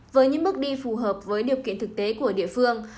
với những bước đi phù hợp với điều kiện thực tế của địa phương